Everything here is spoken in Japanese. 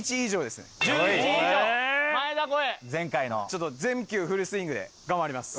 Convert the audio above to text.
ちょっと全球フルスイングで頑張ります。